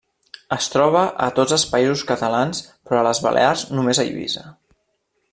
Es troba atots els Països catalans però a les Balears només a Eivissa.